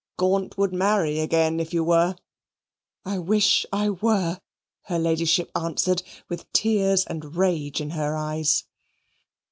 Gaunt would marry again if you were." "I wish I were," her Ladyship answered with tears and rage in her eyes.